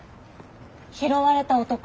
「拾われた男」。